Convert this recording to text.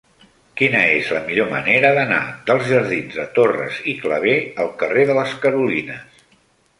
Quina és la millor manera d'anar dels jardins de Torres i Clavé al carrer de les Carolines?